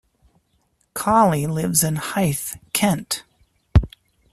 Colley lives in Hythe, Kent.